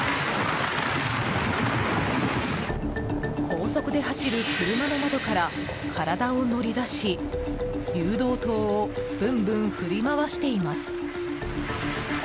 高速で走る車の窓から体を乗り出し誘導灯をぶんぶん振り回しています。